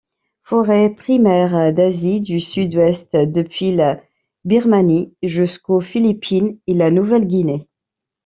Forêt primaire d'Asie du Sud-Est depuis la Birmanie jusqu'aux Philippines et la Nouvelle-Guinée.